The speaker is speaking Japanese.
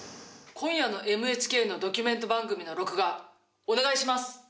今夜のＭＨＫのドキュメント番組の録画お願いします！